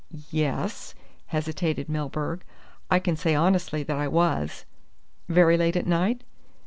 "Yes " hesitated Milburgh. "I can say honestly that I was." "Very late at night?"